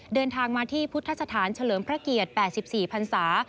เดินทางมาที่พุทธสถานเฉลิมพระเกียรติ๘๔พันศา